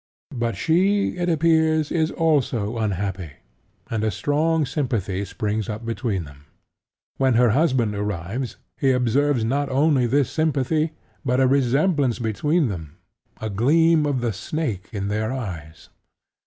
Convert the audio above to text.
But she, it appears, is also unhappy; and a strong sympathy springs up between them. When her husband arrives, he observes not only this sympathy, but a resemblance between them, a gleam of the snake in their eyes.